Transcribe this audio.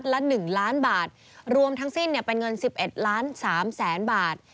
ละหนึ่งล้านบาทรวมทั้งสิ้นเนี่ยเป็นเงินสิบเอ็ดล้านสามแสนบาท